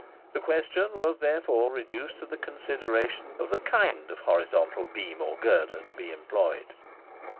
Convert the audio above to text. The question was therefore reduced to the consideration of the kind of horizontal beam or girder to be employed.